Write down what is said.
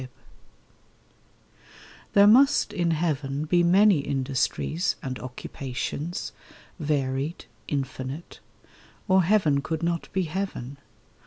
OCCUPATION THERE must in heaven be many industries And occupations, varied, infinite; Or heaven could not be heaven.